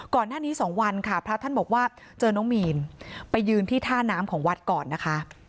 ก่อนหน้านี้สองวันค่ะพระท่านบอกว่าเจอน้องมีนไปยืนที่ท่าน้ำของวัดก่อนนะคะ